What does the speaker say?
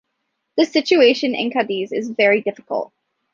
The situation in Cadiz is very difficult.